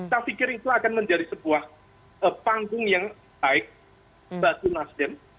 saya pikir itu akan menjadi sebuah panggung yang baik bagi nasdem